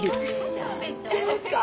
いっちゃいますか！